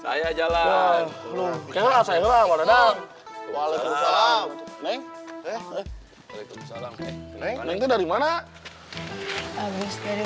saya jalan jalan saya warna dalam walaupun salam neng neng neng neng dari mana habis rumah sakit